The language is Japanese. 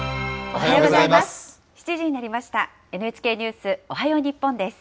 おはようございます。